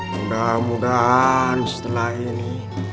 mudah mudahan setelah ini